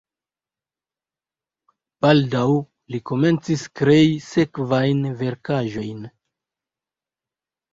Baldaŭ li komencis krei sekvajn verkaĵojn.